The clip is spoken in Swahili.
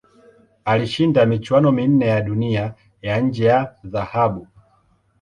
Alishinda michuano minne ya Dunia ya nje ya dhahabu.